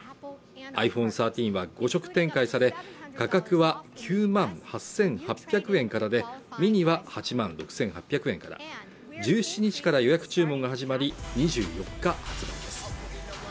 ｉＰｈｏｎｅ１３は５色展開され価格は９万８８００円からでｍｉｎｉは８万６８００円から１７日から予約注文が始まり２４日発売です